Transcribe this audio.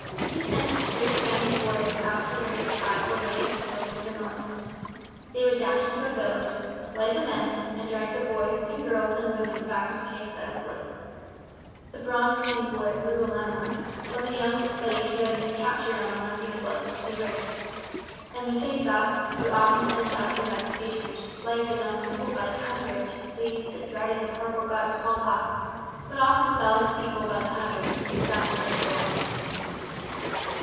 He sent his fierce gangs of warriors out to raid a tribe away in the hills to the north. They would dash into a village, slay the men, and drag the boys and girls and women back to M'tesa as slaves. The bronze skinned boy, Lugalama, was a young slave who had been captured on one of these bloodthirsty raids. And M'tesa, who often sent out his executioners to slay his own people by the hundred to please the dreaded and horrible god of small pox, would also sell his people by the hundred to get guns for his soldiers.